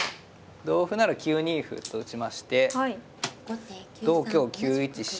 同歩なら９二歩と打ちまして同香９一飛車という感じで。